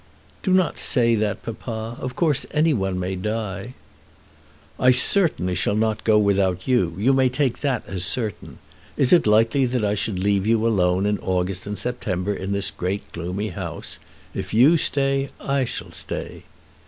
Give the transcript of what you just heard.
"Do not say that, papa. Of course any one may die." "I certainly shall not go without you. You may take that as certain. Is it likely that I should leave you alone in August and September in this great gloomy house? If you stay, I shall stay."